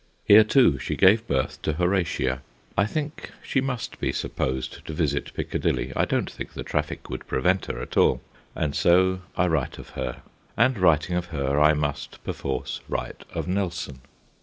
Here, too, she gave birth to Horatia. I think she must be supposed to visit Piccadilly I don't think the traffic would prevent her at all and so I write of her. And, writing of her, I must perforce write of Nelson.